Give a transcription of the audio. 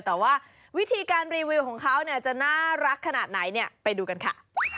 แต่ว่าวิธีการรีวิวของเขาจะน่ารักขนาดไหนไปดูกันค่ะ